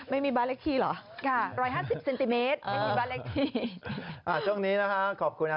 ไม่มีบาร์คเล็กที่หรอ